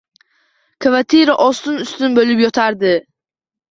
Kvartira ostin-ustin bo`lib yotardi